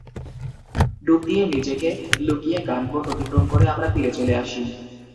ডুব দিয়ে নিজেকে লুকিয়ে গানবোট অতিক্রম করে আমরা তীরে চলে আসি।